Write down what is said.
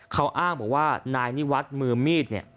เขาอ้างบอกว่านายนิวัฒน์มือมีดเนี่ย